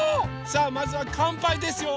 さあまずはかんぱいですよ。